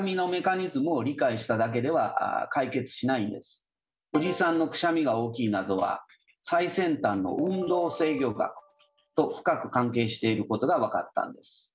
実はおじさんのくしゃみが大きい謎は最先端の運動制御学と深く関係していることが分かったんです。